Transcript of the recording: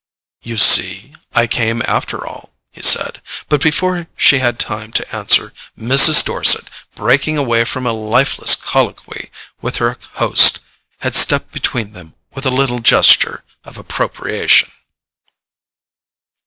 "You see I came after all," he said; but before she had time to answer, Mrs. Dorset, breaking away from a lifeless colloquy with her host, had stepped between them with a little gesture of appropriation.